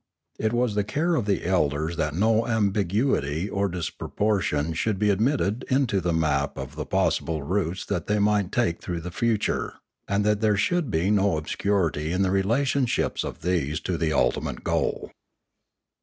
It was the care of the elders that no ambiguity or dis proportion should be admitted into the map of the pos sible routes that they might take through the future, and that there should be no obscurity in the relation ships of these to the ultimate goal.